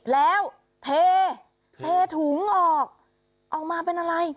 แล้วเทถุงออกออกมาเป็นอะไร